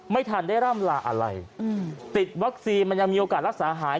ไม่ทันได้ร่ำลาอะไรติดวัคซีนมันยังมีโอกาสรักษาหาย